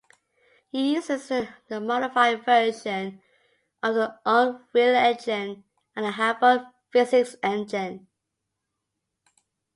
It uses a modified version of the Unreal engine and the Havok physics engine.